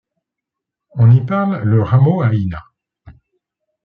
On y parle le ramoaaina.